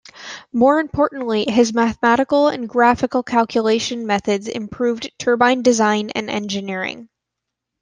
More importantly, his mathematical and graphical calculation methods improved turbine design and engineering.